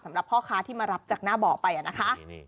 สำหรับพ่อค้าที่มารับจากหน้าบ่อไปนะคะ